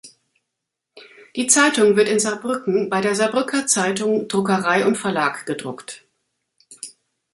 Die Zeitung wird in Saarbrücken bei der Saarbrücker Zeitung Druckerei und Verlag gedruckt.